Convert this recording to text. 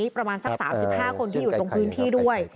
ประมาณสัก๓๕คนที่อยู่ตรงพื้นที่ด้วย